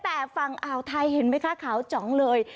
แต่ฝั่งอ่าวไทยเห็นไหมคะขาวจ๋องเลย